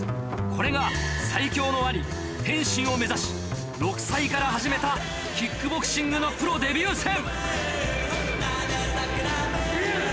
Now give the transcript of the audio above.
これが最強の兄天心を目指し６歳から始めたキックボクシングのプロデビュー戦。